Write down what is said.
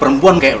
perempuan kayak lu